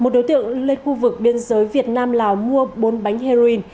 một đối tượng lên khu vực biên giới việt nam lào mua bốn bánh heroin